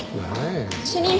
主任。